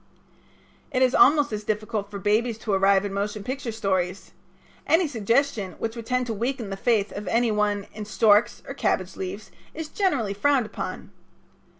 It is almost as difficult for babies to arrive in motion picture stories. Any suggestion which would tend to weaken the faith of any one in storks or cabbage leaves is generally frowned upon.